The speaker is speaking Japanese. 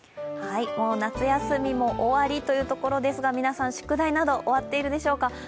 もう夏休みも終わりというところですが皆さん、宿題など終わっているでしょうか。